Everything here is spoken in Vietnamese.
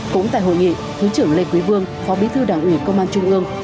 cũng tại hội nghị thứ trưởng lê quý vương phó bí thư đảng ủy công an trung ương